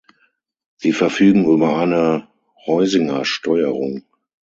Sie verfügen über eine Heusingersteuerung.